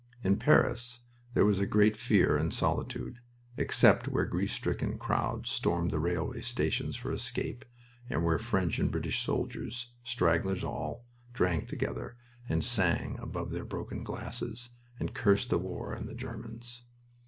In Paris there was a great fear and solitude, except where grief stricken crowds stormed the railway stations for escape and where French and British soldiers stragglers all drank together, and sang above their broken glasses, and cursed the war and the Germans.